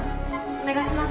お願いします。